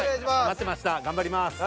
待ってました頑張ります。